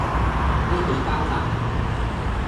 悲喜交集